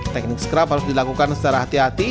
teknik scrub harus dilakukan secara hati hati